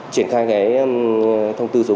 triển khai cái thông tin